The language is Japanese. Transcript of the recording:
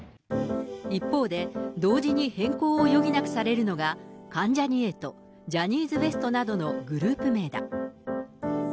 一方で、同時に変更を余儀なくされるのが関ジャニ∞、ジャニーズＷＥＳＴなどのグループ名だ。